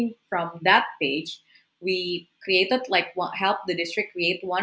di mana mereka bisa menunjukkan